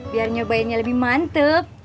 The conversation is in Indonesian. biar nyobainnya lebih mantep